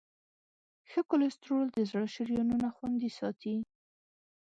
ښه کولیسټرول د زړه شریانونه خوندي ساتي.